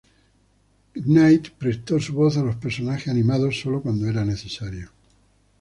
Knight prestó su voz a los personajes animados sólo cuando era necesario.